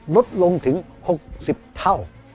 ลดลงถึง๖๐เท่า